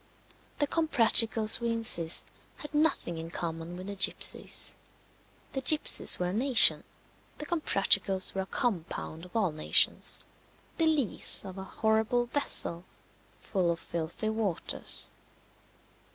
The Comprachicos, we insist, had nothing in common with the gipsies. The gipsies were a nation; the Comprachicos were a compound of all nations the lees of a horrible vessel full of filthy waters.